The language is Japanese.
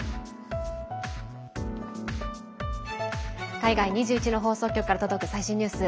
海外２１の放送局から届く最新ニュース。